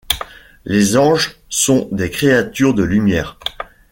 Les anges sont des créatures de lumière.